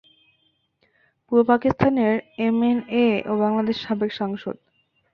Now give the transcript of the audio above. পূর্ব পাকিস্তানের এমএনএ ও বাংলাদেশের সাবেক সাংসদ।